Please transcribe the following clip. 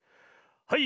はい。